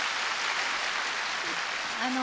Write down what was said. あの